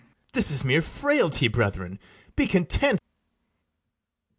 This is mere frailty: brethren, be content.